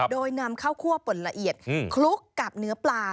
โดยนำข้าวคั่วป่นละเอียดคลุกกับเนื้อปลา